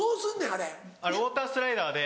あれウオータースライダーで。